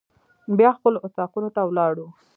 بیا خپلو اطاقونو ته ولاړو.